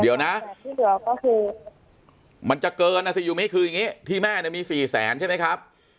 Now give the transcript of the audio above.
เดี๋ยวนะที่เหลือก็คือมันจะเกินนะสิยูมิคืออย่างนี้ที่แม่เนี่ยมี๔แสนใช่ไหมครับ